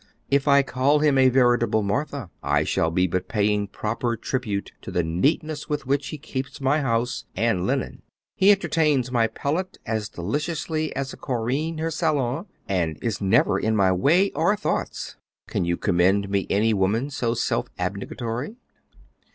If I call him a veritable Martha, I shall but be paying proper tribute to the neatness with which he keeps my house and linen; he entertains my palate as deliciously as a Corinne her salon, and is never in my way or thoughts. Can you commend me any woman so self abnegatory?"